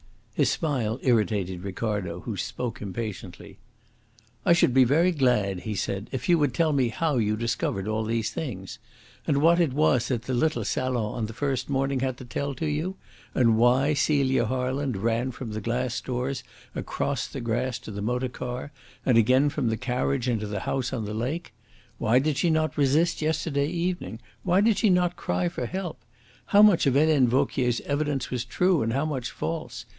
His smile irritated Ricardo, who spoke impatiently. "I should be very glad," he said, "if you would tell me how you discovered all these things. And what it was that the little salon on the first morning had to tell to you? And why Celia Harland ran from the glass doors across the grass to the motor car and again from the carriage into the house on the lake? Why she did not resist yesterday evening? Why she did not cry for help? How much of Helene Vauquier's evidence was true and how much false?